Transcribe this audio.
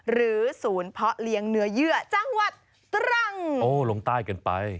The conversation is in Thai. หรือศูนย์เพาะเลี้ยงเนื้อเยื่อจังหวัดตรังโอ้ลงใต้กันไป